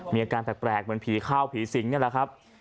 มีอาการแปลกเหมือนผีข้าวผีสิงนี่แหละครับ